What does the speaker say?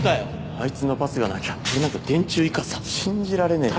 あいつのパスがなきゃ俺なんか電柱以下さ信じられねえよ